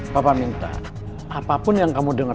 papa minta apapun yang kamu dengar